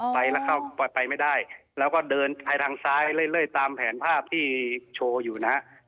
ไปแล้วเข้าไปไม่ได้แล้วก็เดินไปทางซ้ายเรื่อยตามแผนภาพที่โชว์อยู่นะฮะ